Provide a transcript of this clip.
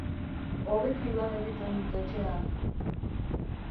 Hobeki lan egiten dut etxean.